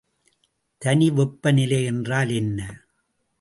தனிவெப்பநிலை என்றால் என்ன?